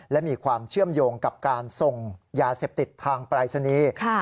และมีความเชื่อมโยงกับการส่งยาเสพติดทางปรายศนีย์